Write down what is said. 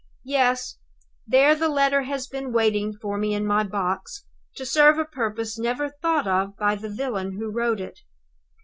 "Yes; there the letter has been waiting for me in my box, to serve a purpose never thought of by the villain who wrote it.